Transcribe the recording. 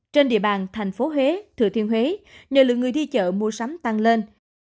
trên địa bàn tp huế thừa thiên huế nhiều lượng người đi chợ mua sắm tăng lên